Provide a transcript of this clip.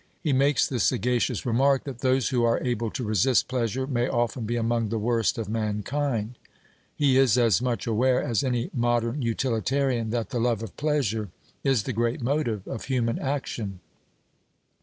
He makes the sagacious remark, that 'those who are able to resist pleasure may often be among the worst of mankind.' He is as much aware as any modern utilitarian that the love of pleasure is the great motive of human action.